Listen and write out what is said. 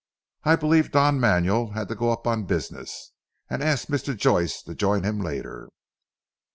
"I believe Don Manuel had to go up on business, and asked Mr. Joyce to join him later."